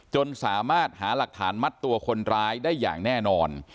จนสามารถหาหลักฐานมัดตัวคนร้ายได้อย่างแน่นอน